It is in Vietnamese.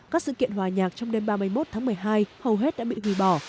các sự kiện hòa nhạc trong đêm ba mươi một tháng một mươi hai hầu hết đã bị hủy bỏ